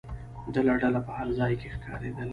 ډله ډله په هر ځای کې ښکارېدل.